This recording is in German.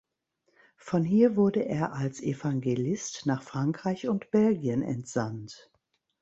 Von hier wurde er als Evangelist nach Frankreich und Belgien entsandt.